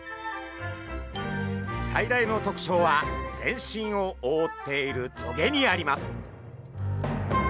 最大の特徴は全身をおおっている棘にあります。